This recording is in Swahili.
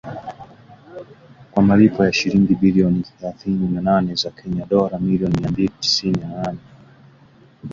Kwa malipo ya shilingi bilioni thelathini na nne za Kenya (dola milioni mia mbili tisini na nane).